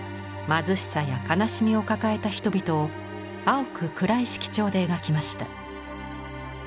貧しさや悲しみを抱えた人々を青く暗い色調で描きました。